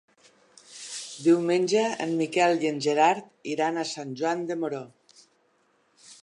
Diumenge en Miquel i en Gerard iran a Sant Joan de Moró.